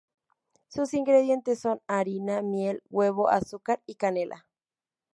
Sus ingredientes son: harina, miel, huevos, azúcar y canela.